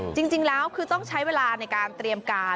จริงแล้วคือต้องใช้เวลาในการเตรียมการ